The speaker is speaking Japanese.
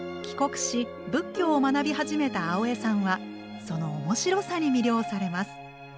帰国し仏教を学び始めた青江さんはその面白さに魅了されます。